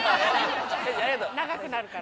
長くなるから。